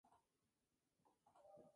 Y recibí una llamada de John Guerin.